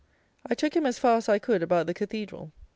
I took him as far as I could about the cathedral.